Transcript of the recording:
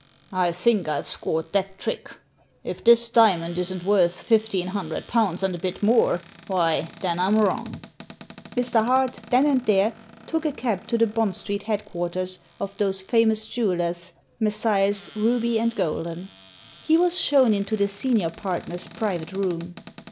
" I think I've scored that trick. If this diamond isn't worth fifteen hundred pounds and a bit more, why, then I'm wrong." Mr. Hart then and there took a cab to the Bond Street headquarters of those famous jewellers, Messrs. Ruby and Golden. He was shown into the senior partner's private room.